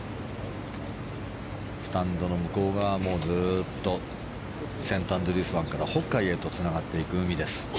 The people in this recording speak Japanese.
スタンドの向こう側もずっとセントアンドリュース湾から北海へとつながっていく海です。